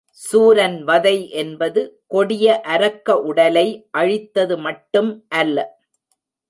சூரன்வதை என்பது கொடிய அரக்க உடலை அழித்தது மட்டும் அல்ல.